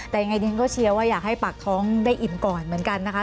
แต่ยังไงดิฉันก็เชียร์ว่าอยากให้ปากท้องได้อิ่มก่อนเหมือนกันนะคะ